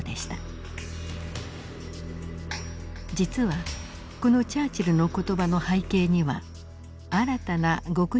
実はこのチャーチルの言葉の背景には新たな極秘情報が関わっていました。